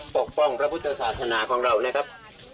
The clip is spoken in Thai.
ปกป้องพระพุทธศาสนาของเรานะครับ